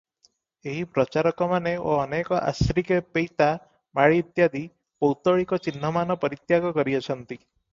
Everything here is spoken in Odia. ଏହି ପ୍ରଚାରକମାନେ ଓ ଅନେକ ଆଶ୍ରିକେ ପୈତା, ମାଳି ଇତ୍ୟାଦି ପୌତ୍ତଳିକ ଚିହ୍ନମାନ ପରିତ୍ୟାଗ କରିଅଛନ୍ତି ।